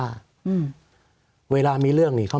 สวัสดีครับทุกคน